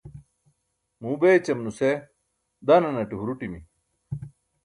muu bećum nuse dananaṭe huruṭimi